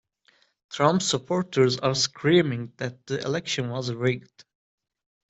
Trump supporters are screaming that the election was rigged.